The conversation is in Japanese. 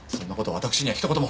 私にはひと言も。